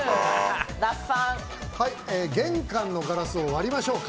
玄関のガラスを割りましょうか？